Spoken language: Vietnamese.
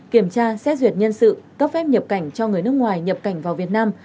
kiểm tra xét duyệt nhân sự cấp phép nhập cảnh cho người nước ngoài nhập cảnh vào việt nam